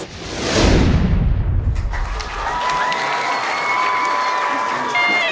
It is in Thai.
หวัดดีนะครับ